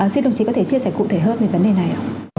xin đồng chí có thể chia sẻ cụ thể hơn về vấn đề này ạ